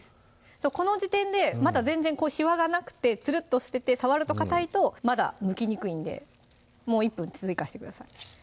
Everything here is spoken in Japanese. この時点でまだ全然しわがなくてつるっとしてて触るとかたいとまだむきにくいんでもう１分追加してください